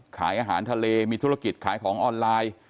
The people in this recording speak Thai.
ขายอาหารทะเลมีธุรกิจขายของออนไลน์